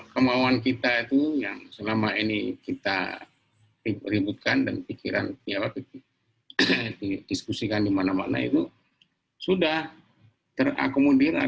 kemauan kita itu yang selama ini kita ributkan dan pikiran didiskusikan di mana mana itu sudah terakomodir